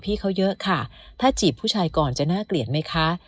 พี่เขาเยอะค่ะถ้าจีบผู้ชายก่อนจะน่าเกลียดไหมคะ